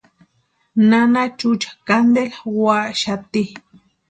Nana Chucha cantela úaxati.